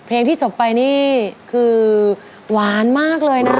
เพลงที่จบไปนี่คือวานมากเลยนะครับ